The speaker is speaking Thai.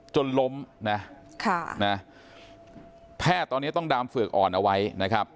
จนล้มนะค่ะนะแพทย์ตอนนี้ต้องดามเฝือกอ่อนเอาไว้นะครับ